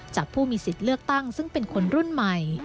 ผู้มีสิทธิ์เลือกตั้งซึ่งเป็นคนรุ่นใหม่